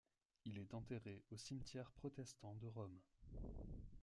Il est enterré au cimetière protestant de Rome.